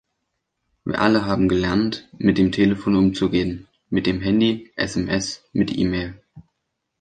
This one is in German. Wir alle haben gelernt, mit dem Telefon umzugehen, mit dem Handy, sms, mit E-Mail.